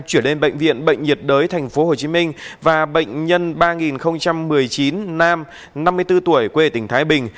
chuyển lên bệnh viện bệnh nhiệt đới tp hcm và bệnh nhân ba nghìn một mươi chín nam năm mươi bốn tuổi quê tỉnh thái bình